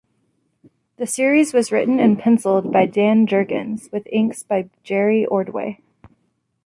The series was written and penciled by Dan Jurgens, with inks by Jerry Ordway.